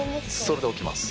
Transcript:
それで起きます。